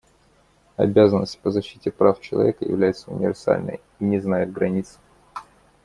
Обязанность по защите прав человека является универсальной и не знает границ.